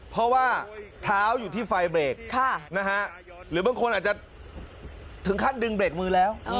เพราะว่าเท้าอยู่ที่ไฟเบรกหรือบางคนอาจจะถึงขั้นดึงเบรกมือแล้ว